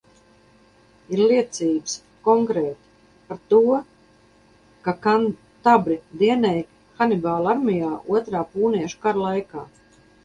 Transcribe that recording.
Ir liecības, konkrēti, par to, ka kantabri dienēja Hanibāla armijā Otrā Pūniešu kara laikā.